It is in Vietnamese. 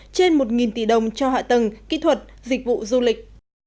trên một tỷ đồng cho hạ tầng kỹ thuật dịch vụ du lịch